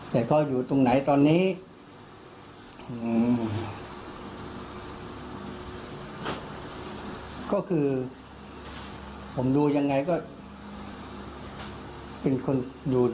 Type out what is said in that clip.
แต่เขาอยู่ตรงไหนตอนนี้ก็คือผมดูยังไงก็เป็นคนอยู่